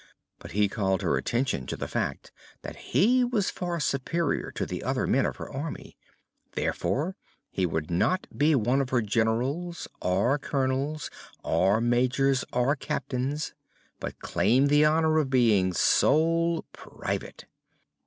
But he called her attention to the fact that he was far superior to the other men of her army. Therefore, he would not be one of her Generals or Colonels or Majors or Captains, but claimed the honor of being sole Private.